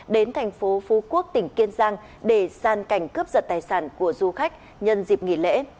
đến thành phố phú quốc tỉnh kiên giang để san cảnh cướp giật tài sản của du khách nhân dịp nghỉ lễ